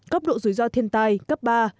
cấp độ dùi do thiên tai cấp ba